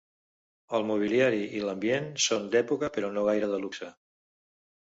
El mobiliari i l'ambient són d'època però no gaire de luxe.